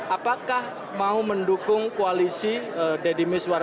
apakah mau mendukung koalisi deddy miswar